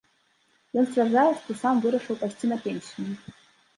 Ён сцвярджае, што сам вырашыў пайсці на пенсію.